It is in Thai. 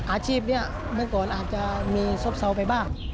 อาชีพนี้เมื่อก่อนอาจจะมีซบเซาไปบ้าง